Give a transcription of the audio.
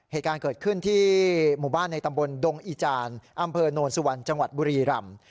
เหตุการณ์เกิดขึ้นที่หมู่บ้านในตำบลดงอีจานอำเภอโนนสุวรรณจังหวัดบุรีรำ